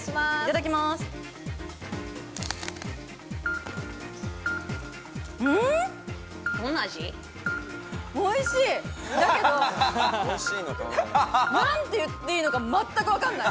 だけど何て言っていいのか全く分かんない。